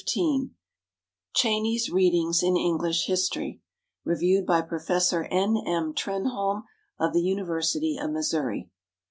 75.] Cheyney's Readings in English History REVIEWED BY PROFESSOR N. M. TRENHOLME, OF THE UNIVERSITY OF MISSOURI.